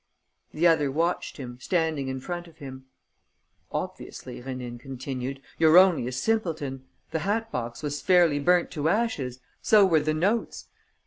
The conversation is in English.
The other watched him, standing in front of him. "Obviously," Rénine continued, "you're only a simpleton. The hat box was fairly burnt to ashes: so were the notes.